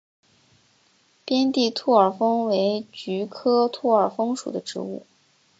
边地兔儿风为菊科兔儿风属的植物。